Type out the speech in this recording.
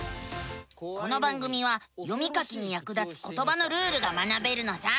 この番組は読み書きにやく立つことばのルールが学べるのさ。